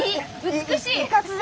「美しい」！